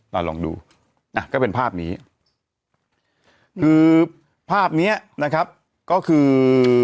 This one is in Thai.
ลองดูอ่ะก็เป็นภาพนี้คือภาพเนี้ยนะครับก็คือ